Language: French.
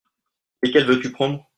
Lesquels veux-tu prendre ?